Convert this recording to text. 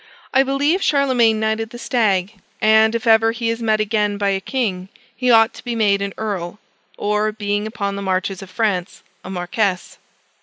I believe Charlemagne knighted the stag; and, if ever he is met again by a king, he ought to be made an earl or, being upon the marches of France, a marquess.